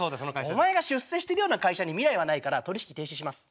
お前が出世してるような会社に未来はないから取り引き停止します。